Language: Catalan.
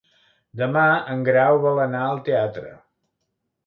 Demà en Grau vol anar al teatre.